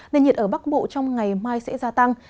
nền nhiệt ở bắc bộ trong ngày mai sẽ gia tăng